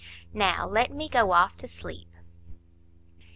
Now, let me go off to sleep."